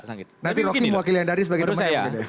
nanti roki mewakili hendardi sebagai temannya